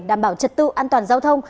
đảm bảo trật tự an toàn giao thông